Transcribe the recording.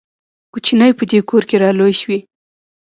کوچنی په دې کور کې را لوی شوی.